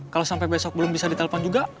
kalau sampai besok belum bisa ditelepon juga